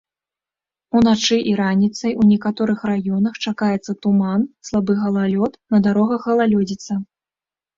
Уначы і раніцай у некаторых раёнах чакаецца туман, слабы галалёд, на дарогах галалёдзіца.